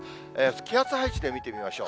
気圧配置で見てみましょう。